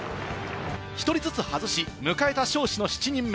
１人ずつ外し、迎えた尚志の７人目。